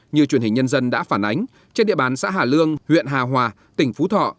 như truyền hình nhân dân đã phản ánh trên địa bàn xã hà lương huyện hà hòa tỉnh phú thọ